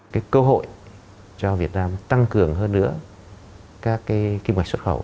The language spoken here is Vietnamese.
cái cơ hội cho việt nam tăng cường hơn nữa các kinh hoạch xuất khẩu